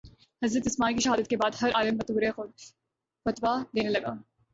حضرت عثمان کی شہادت کے بعد ہر عالم بطورِ خود فتویٰ دینے لگا